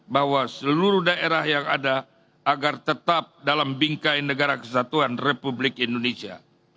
bahwa seluruh daerah yang ada agar tetap dalam bingkai negara kesatuan republik indonesia